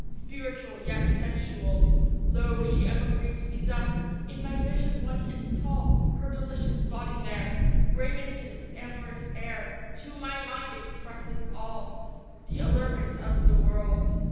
Spiritual, yet sensual, Lo, she ever greets me thus In my vision; white and tall, Her delicious body there, Raimented with amorous air, To my mind expresses all The allurements of the world.